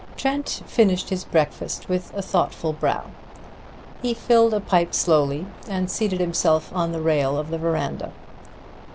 Trent finished his breakfast with a thoughtful brow. He filled a pipe slowly, and seated himself on the rail of the veranda.